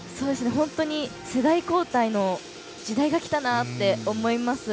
本当に世代交代の時代がきたなって思います。